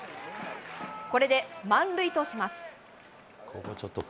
これで満塁とします。